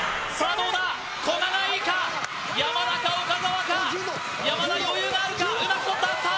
どうだ古賀がいいか山田か岡澤か山田余裕があるかうまく取ったさあ